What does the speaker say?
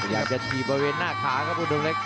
อยากจะที่ประเวนหน้าขาครับอุธมเล็ก